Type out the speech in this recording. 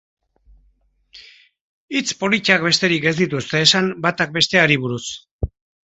Hitz politak besterik ez dituzte esan batak besteari buruz.